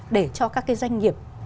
để cho các cái doanh nghiệp